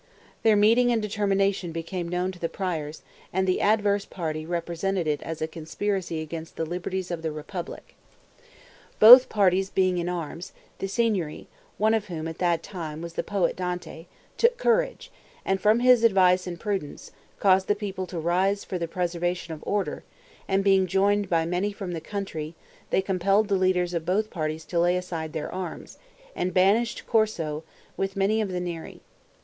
Their meeting and determination became known to the Priors, and the adverse party represented it as a conspiracy against the liberties of the republic. Both parties being in arms, the Signory, one of whom at that time was the poet Dante, took courage, and from his advice and prudence, caused the people to rise for the preservation of order, and being joined by many from the country, they compelled the leaders of both parties to lay aside their arms, and banished Corso, with many of the Neri.